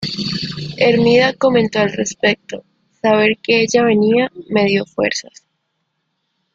Hermida comentó al respecto: "Saber que ella venía me dio fuerzas.